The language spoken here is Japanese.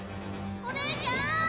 ・お姉ちゃん！